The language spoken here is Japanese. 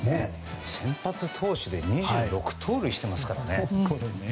先発投手で２６盗塁してますからね。